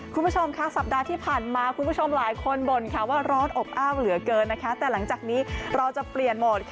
คุณผู้ชมค่ะสัปดาห์ที่ผ่านมาคุณผู้ชมหลายคนบ่นว่าร้อนอบอ้าวเหลือเกินนะคะแต่หลังจากนี้เราจะเปลี่ยนโหมด